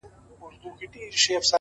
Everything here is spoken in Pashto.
هره ورځ د نوې پیل امکان لري’